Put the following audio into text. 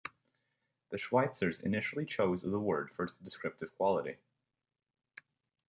The Schweitzers initially chose the word for its descriptive quality.